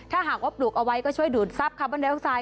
หากว่าปลูกออกไว้ก็ช่วยดูดซับคาร์มอนเดลกทราย